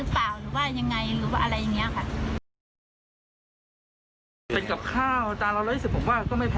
เพราะว่าถ้าลูกค้าของผมก็ต้องทานปกตินะติดกับข้าว๑๒๐บาท